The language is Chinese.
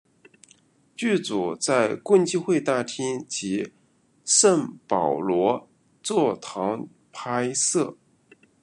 剧组在共济会大厅及圣保罗座堂拍摄。